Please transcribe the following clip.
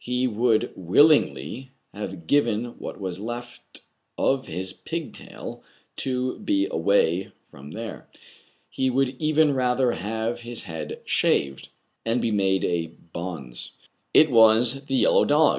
He would willingly have given what was left of his pigtail to 194 TRIBULATIONS OF A CHINAMAN, be away from there. He would even rather have his head shaved, and be made a bonze. It was the yellow dog